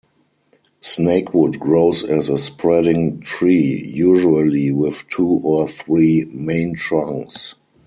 Snakewood grows as a spreading tree, usually with two or three main trunks.